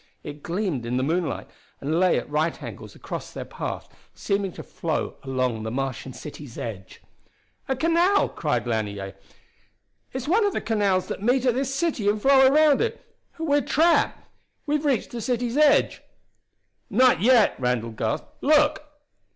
It gleamed in the moonlight and lay at right angles across their path, seeming to flow along the Martian city's edge. "A canal!" cried Lanier. "It's one of the canals that meet at this city and flow around it! We're trapped we've reached the city's edge!" "Not yet!" Randall gasped. "Look!"